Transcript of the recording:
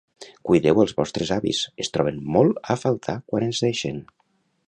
Cuideu els vostres avis, es troben molt a faltar quan ens deixen.